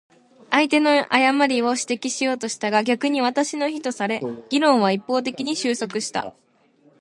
相手の誤りを指摘しようとしたが、逆に私の非とされ、議論は一方的に収束した。